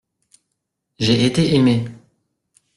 J’ai été aimé.